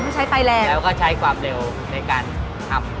ใช้ไฟแรงแล้วก็ใช้ความเร็วในการทำ